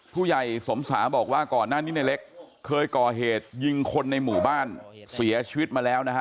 ผู้ใหญ่สมสาบอกว่าก่อนหน้านี้ในเล็กเคยก่อเหตุยิงคนในหมู่บ้านเสียชีวิตมาแล้วนะฮะ